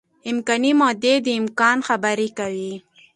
امکاني ماضي د امکان خبره کوي.